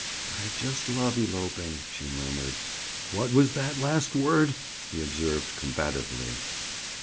"I just love eloping," she murmured. "What was that last word?" he observed combatively.